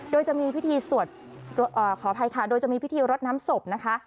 โดยจะมีพิธีรอดน้ำสบนะคะ